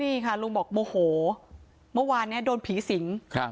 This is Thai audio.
นี่ค่ะลุงบอกโมโหเมื่อวานนี้โดนผีสิง